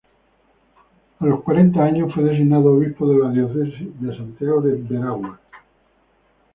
A los cuarenta años fue designado obispo de la diócesis de Santiago de Veraguas.